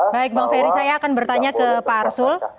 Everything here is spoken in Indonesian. baik bang ferry saya akan bertanya ke pak arsul